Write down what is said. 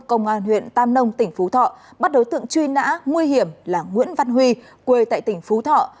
công an huyện tam nông tỉnh phú thọ bắt đối tượng truy nã nguy hiểm là nguyễn văn huy quê tại tỉnh phú thọ